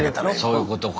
そういうことか。